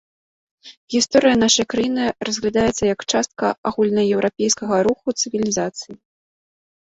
Гісторыя нашай краіны разглядаецца як частка агульнаеўрапейскага руху цывілізацыі.